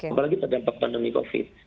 apalagi terdampak pandemi covid